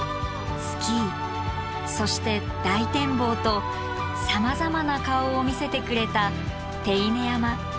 スキーそして大展望とさまざまな顔を見せてくれた手稲山。